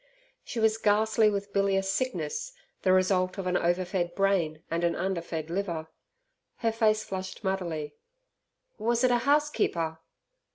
She was ghastly with bilious sickness the result of an over fed brain and an under fed liver. Her face flushed muddily. "Was it a housekeeper?"